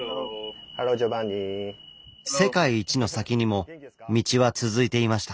世界一の先にも道は続いていました。